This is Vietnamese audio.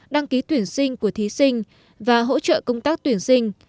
đăng ký tuyển sinh của thí sinh và hỗ trợ công tác tuyển sinh